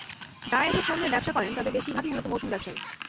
যাঁরা এসব পণ্যের ব্যবসা করেন, তাঁদের বেশির ভাগই মূলত মৌসুমি ব্যবসায়ী।